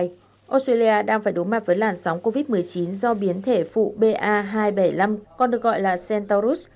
australia đang phải đối mặt với làn sóng covid một mươi chín do biến thể phụ ba hai trăm bảy mươi năm còn được gọi là centaurus